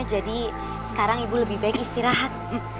jadi sekarang ibu lebih baik istirahat